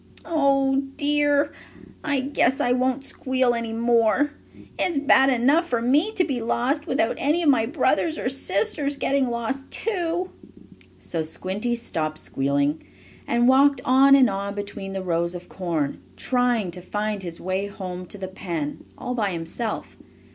Oh dear, I guess I won't squeal any more. It's bad enough for me to be lost, without any of my brothers or sisters getting lost, too." So Squinty stopped squealing, and walked on and on between the rows of corn, trying to find his way home to the pen all by himself.